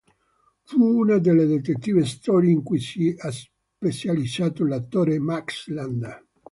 Fu una delle detective story in cui si era specializzato l'attore Max Landa.